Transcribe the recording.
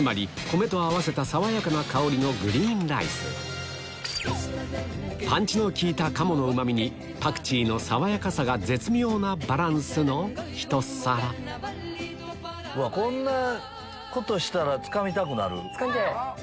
付け合わせには爽やかな香りのグリーンライスパンチの利いた鴨のうまみにパクチーの爽やかさが絶妙なバランスのひと皿こんなことしたらつかみたくなる。